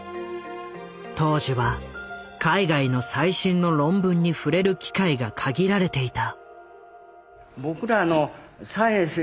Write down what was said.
当時は海外の最新の論文に触れる機会が限られていた。